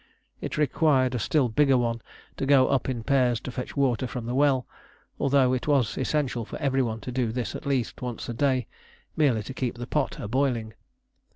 It required a still bigger one to go up in pairs to fetch water from the well, although it was essential for every one to do this at least once a day, merely to keep the pot a boiling.